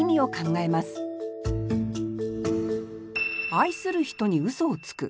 「愛する人に嘘をつく」。